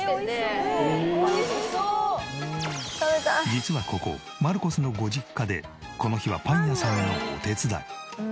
実はここマルコスのご実家でこの日はパン屋さんのお手伝い。